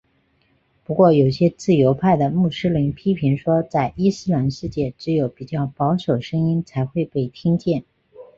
不过有些自由派的穆斯林批评说在伊斯兰世界只有比较保守声音才会被听见。